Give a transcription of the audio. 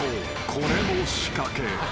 これも仕掛け］